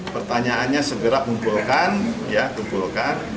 pertanyaannya segera kumpulkan